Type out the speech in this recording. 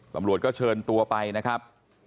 ตำรวจก็เชิญตัวไปนะครับ